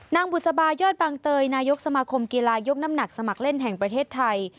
บุษบายอดบางเตยนายกสมาคมกีฬายกน้ำหนักสมัครเล่นแห่งประเทศไทย